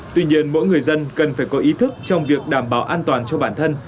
tuy nhiên mỗi người dân cần phải có ý thức trong việc đảm bảo an toàn cho bản thân